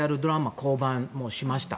もう降板しました。